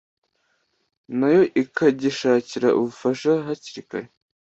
na yo ikagishakira ubufasha hakiri kare